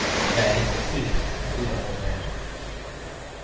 That is the key to the whole matter.